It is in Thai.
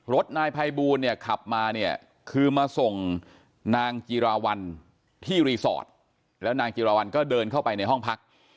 นายภัยบูลเนี่ยขับมาเนี่ยคือมาส่งนางจิราวัลที่รีสอร์ทแล้วนางจิราวัลก็เดินเข้าไปในห้องพัก